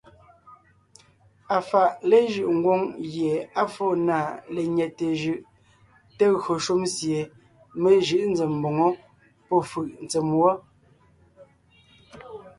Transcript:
Afàʼa léjʉ́ʼ ngwóŋ gie á fóo na lenyɛte jʉʼ te gÿo shúm sie mé jʉʼ zém mboŋó pɔ́fʉ̀ʼ ntsèm wɔ́.